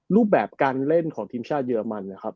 รูปแบบการเล่นของทีมชาติเยอรมันนะครับ